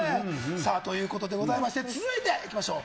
さあ、ということでございまして、続いていきましょう。